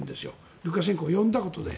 ルカシェンコを呼んだことで。